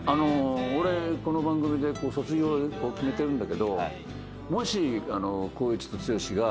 俺この番組で卒業を決めてるんだけどもし光一と剛が。